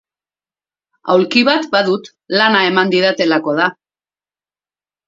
Aulki bat badut, lana eman didatelako da.